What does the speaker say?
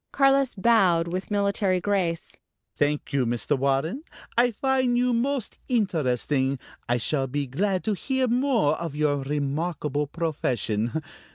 Carlos bowed with military grace. "Thank you, Mr. Warren. I find you most interesting. I shall be glad to hear more of your remarkable profession.